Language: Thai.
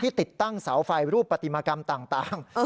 ติดตั้งเสาไฟรูปปฏิมากรรมต่าง